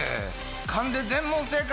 勘で全問正解？